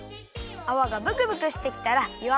あわがブクブクしてきたらよ